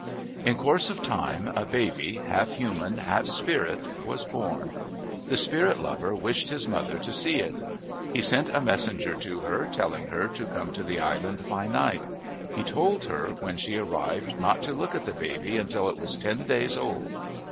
In course of time a baby, half human, half spirit, was born. The spirit lover wished his mother to see it. He sent a messenger to her, telling her to come to the island by night. He told her, when she arrived, not to look at the baby until it was ten days old.